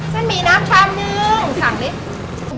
เส้นมีน้ำชามนึง๓ลิตร